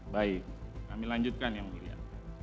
baik kami lanjutkan yang mulia